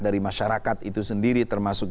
dari masyarakat itu sendiri termasuk